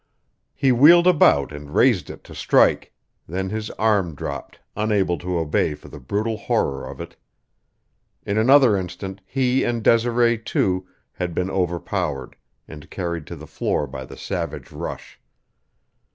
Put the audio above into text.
He wheeled about and raised it to strike; then his arm dropped, unable to obey for the brutal horror of it. In another instant he and Desiree, too, had been overpowered and carried to the floor by the savage rush.